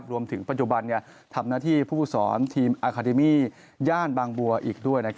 รวมถึงปัจจุบันทำหน้าที่ผู้สอนทีมอาคาเดมี่ย่านบางบัวอีกด้วย